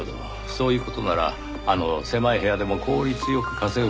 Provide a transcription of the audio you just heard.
そういう事ならあの狭い部屋でも効率良く稼ぐ事ができますねぇ。